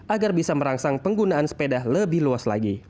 agar bisa merangsang penggunaan sepeda lebih luas lagi